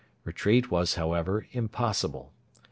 Retreat was, however, impossible.